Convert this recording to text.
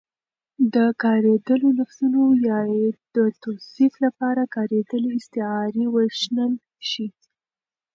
د کارېدلو لفظونو يا يې د توصيف لپاره کارېدلې استعارې وشنل شي